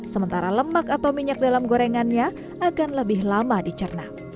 sementara lemak atau minyak dalam gorengannya akan lebih lama dicerna